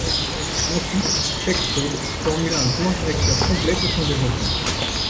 Ensuite, Cheikh Saud formula un plan directeur complet pour son développement.